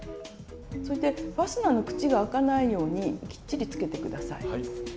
そしてファスナーの口が開かないようにきっちりつけて下さい。